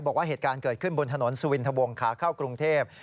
บอกว่าเหตุการณ์เกิดขึ้นบนถนนสุวินทะวงขาเข้ากรุงเทพ